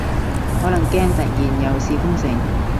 可能驚突然又試封城